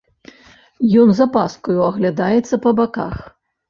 Ён з апаскаю аглядаецца па баках.